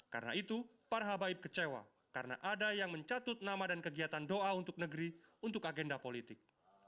karena itu parah baik kecewa karena ada yang mencatut nama dan kegiatan doa untuk negeri untuk agenda politik